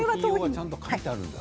ちゃんと書いてあるんだ。